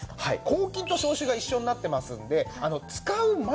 抗菌と消臭が一緒になってますんで使う前